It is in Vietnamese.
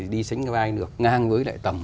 đi sánh vai được ngang với lại tầm